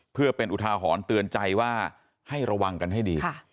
เพื่อเป็นอุทาหรณ์เตือนใจว่าให้ระวังกันให้ดี